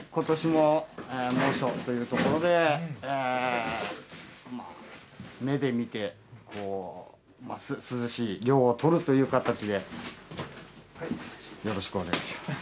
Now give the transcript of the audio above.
やはりことしも猛暑ということで、目で見て涼しい、涼をとるという形で、よろしくお願いします。